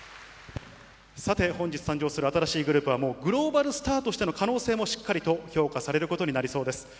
さて本日誕生する新しいグループは、グローバルスターとしての可能性もしっかりと評価されることになりそうです。